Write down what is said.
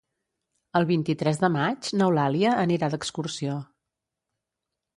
El vint-i-tres de maig n'Eulàlia anirà d'excursió.